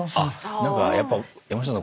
何かやっぱ山下さん